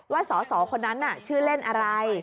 ว่าสอสองคนนั้นชื่อเล่นอะไร